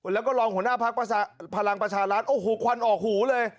แล้วก็รองหัวหน้าพักพลังประชารัฐโอ้โหควันออกหูเลย